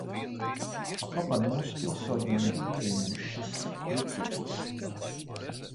Patlaban mūsu pilsoņiem ir pieejams šis juceklis.